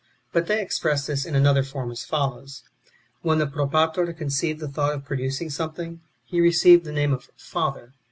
But they express this in another form, as follows : When the Propator conceived the thought of producing something, he received the name of Father.